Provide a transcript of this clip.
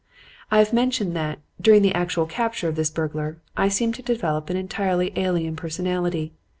"I have mentioned that, during the actual capture of this burglar, I seemed to develop an entirely alien personality.